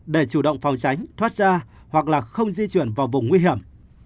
để chủ động phòng tránh thoát ra hoặc không di chuyển vào vùng nguy hiểm